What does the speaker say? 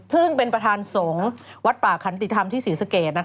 ซึ่งเป็นประธานสงฆ์วัดป่าขันติธรรมที่ศรีสเกต